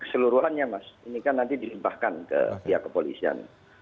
keseluruhannya mas ini kan nanti dilimpahkan ke pihak kepolisian